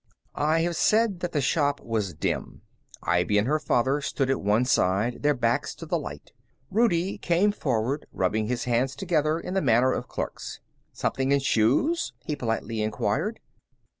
I have said that the shop was dim. Ivy and her father stood at one side, their backs to the light. Rudie came forward, rubbing his hands together in the manner of clerks. "Something in shoes?" he politely inquired.